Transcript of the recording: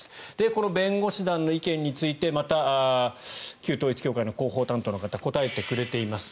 この弁護士団の意見についてまた旧統一教会の広報担当の方答えてくれています。